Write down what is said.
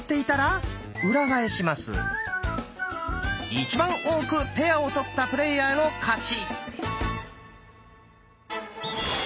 一番多くペアを取ったプレイヤーの勝ち。